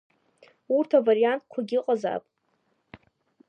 Урҭ авариантқәагьы ыҟазаап.